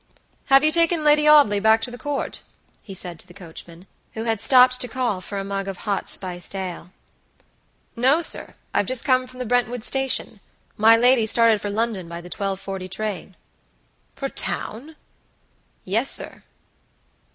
"Have you taken Lady Audley back to the Court?" he said to the coachman, who had stopped to call for a mug of hot spiced ale. "No, sir; I've just come from the Brentwood station. My lady started for London by the 12.40 train." "For town?" "Yes, sir."